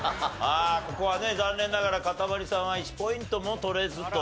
ここはね残念ながらかたまりさんは１ポイントも取れずと。